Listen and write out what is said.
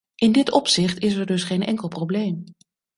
In dit opzicht is er dus geen enkel probleem.